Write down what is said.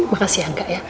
makasih angga ya